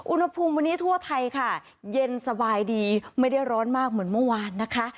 อุณหภูมิวันนี้ทั่วไทยค่ะเย็นสบายดีไม่ได้ร้อนมากเหมือนเมื่อวานนะคะ